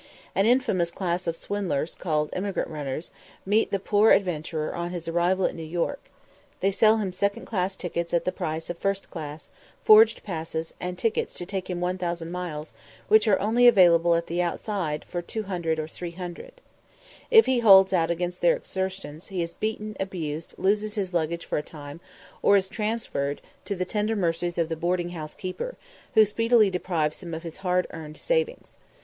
An infamous class of swindlers, called "emigrant runners," meet the poor adventurer on his arrival at New York. They sell him second class tickets at the price of first class, forged passes, and tickets to take him 1000 miles, which are only available at the outside for 200 or 300. If he holds out against their extortions, he is beaten, abused, loses his luggage for a time, or is transferred to the tender mercies of the boarding house keeper, who speedily deprives him of his hard earned savings.